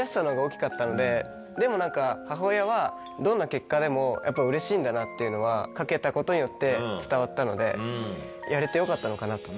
でも母親はどんな結果でもやっぱうれしいんだなっていうのはかけたことによって伝わったので。